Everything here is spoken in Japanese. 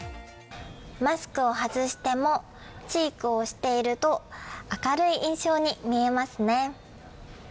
マスクを外しても、チークをしていると明るい印象に見えますね。